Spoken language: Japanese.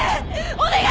お願い！